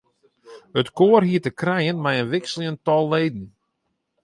It koar hie te krijen mei in wikseljend tal leden.